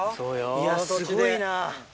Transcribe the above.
いや、すごいな。